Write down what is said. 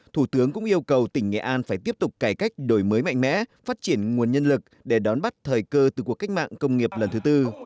thủ tướng cũng yêu cầu tỉnh nghệ an phải tiếp tục cải cách đổi mới mạnh mẽ phát triển nguồn nhân lực để đón bắt thời cơ từ cuộc cách mạng công nghiệp lần thứ tư